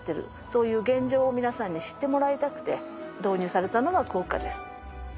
そういう現状を皆さんに知ってもらいたくて導入されたのがクオッカです。